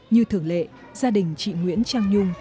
như thường lệ gia đình chị nguyễn trang nhung